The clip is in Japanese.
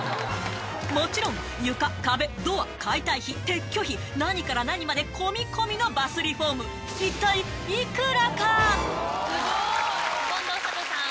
もちろん床壁ドア解体費撤去費何から何まで込み込みのバスリフォーム近藤サトさん